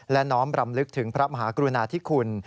และน้อมรำลึกถึงพระมหากรุณาธิคุณ